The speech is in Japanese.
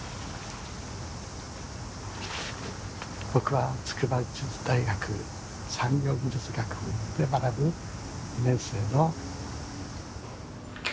「僕は筑波技術大学産業技術学部で学ぶ２年生の」。